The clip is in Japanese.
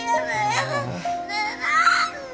ねえ何で。